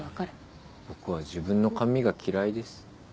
僕は自分の髪が嫌いです。